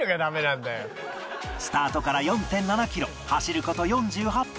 スタートから ４．７ キロ走る事４８分